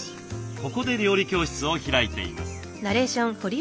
ここで料理教室を開いています。